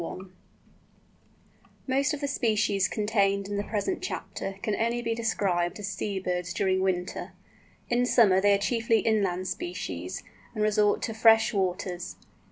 _ Most of the species contained in the present chapter can only be described as Sea birds during winter. In summer they are chiefly inland species, and resort to fresh waters.